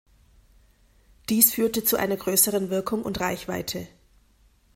Dies führte zu einer größeren Wirkung und Reichweite.